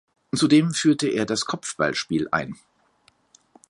Zudem führte er das Kopfballspiel ein.